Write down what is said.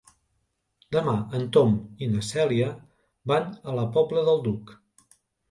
Demà en Tom i na Cèlia van a la Pobla del Duc.